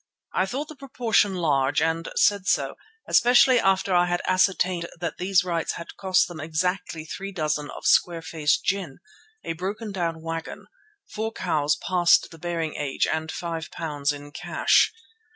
I thought the proportion large and said so, especially after I had ascertained that these rights had cost them exactly three dozen of square face gin, a broken down wagon, four cows past the bearing age and £5 in cash.